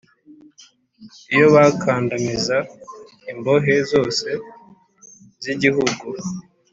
Iyo bakandamiza imbohe zose z’igihugu,